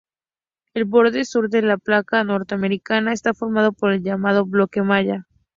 El borde sur de la placa norteamericana está formado por el llamado bloque maya.